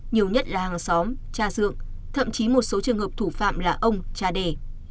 nhiều nhất là hàng xóm cha dưỡng thậm chí một số trường hợp thủ phạm là ông cha đẻ